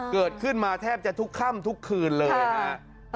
เกิดขึ้นมาแทบจะทุกค่ำทุกคืนเลยนะครับ